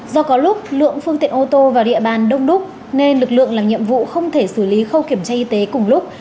do có lúc lượng phương tiện ô tô vào địa bàn đông đúc nên lực lượng làm nhiệm vụ không thể xử lý khâu kiểm tra y tế cùng lúc